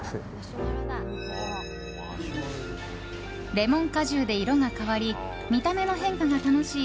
レモン果汁で色が変わり見た目の変化が楽しい